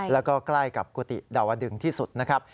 แล้วก็ใกล้กับกุฏิดาวดึงที่สุดนะครับ